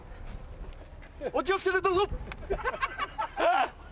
お気を付けてどうぞ！